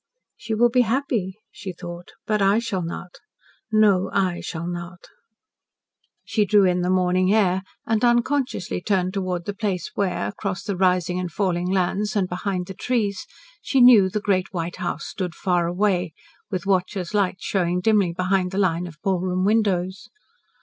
"She will be happy," she thought. "But I shall not. No, I shall not." She drew in the morning air and unconsciously turned towards the place where, across the rising and falling lands and behind the trees, she knew the great white house stood far away, with watchers' lights showing dimly behind the line of ballroom windows.